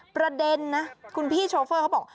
ประเด็นนะคุณพี่โชเฟอร์เขาบอก